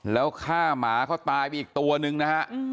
แล้วฆ่าหมาเขาตายไปอีกตัวนึงนะฮะ